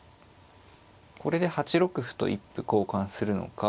これで８六歩と一歩交換するのか。